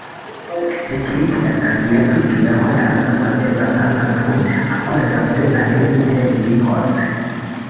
Lick Lick yatangiye atubwira ko yari amaze amezi atandatu akorera muri Unlimited Records